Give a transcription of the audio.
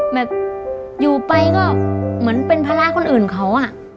แบบอยู่ไปก็เหมือนเป็นภาระคนอื่นเขาอะ